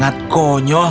tentu saja kau konyol